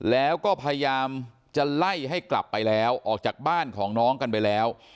แล้วก็พยายามจะไล่ให้กลับไปแล้วออกจากบ้านของน้องกันไปแล้ว